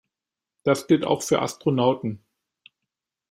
Das gilt auch für Astronauten.